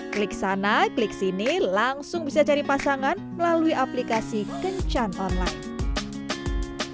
klik sana klik sini langsung bisa cari pasangan melalui aplikasi kencan online